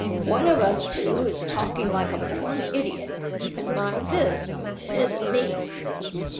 "One of us two is talking like a born idiot and (mind this) it isn't me.